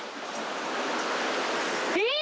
えっ？